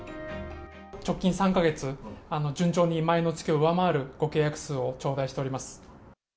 直近３か月、順調に前の月を上回るご契約数を頂戴しております。